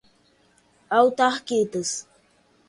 autarquias